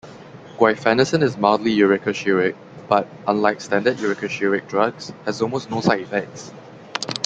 Guaifenesin is mildly uricosuric but, unlike standard uricosuric drugs, has almost no side-effects.